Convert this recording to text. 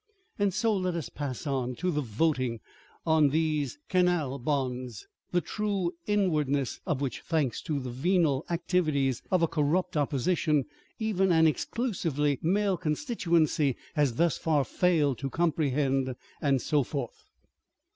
And so let us pass on to the voting on these canal bonds, the true inwardness of which, thanks to the venal activities of a corrupt opposition, even an exclusively male constituency has thus far failed to comprehend. And so forth.